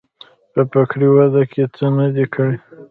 په فکري وده کې څه نه دي کړي.